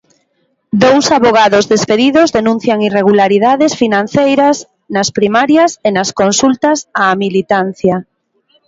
Dous avogados despedidos denuncian irregularidades financeiras nas primarias e nas consultas á militancia.